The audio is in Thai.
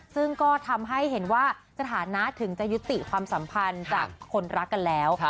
ซึ่งก็ทำให้เห็นว่าสถานะถึงจะยุติความสัมพันธ์จากคนรักกันแล้ว